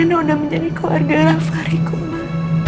reina udah menjadi keluarga lafariku ma